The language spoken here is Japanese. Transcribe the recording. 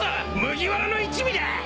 麦わらの一味だ！